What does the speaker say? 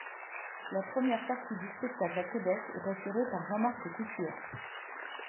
La première partie du spectacle à Québec est assurée par Jean-Marc Couture.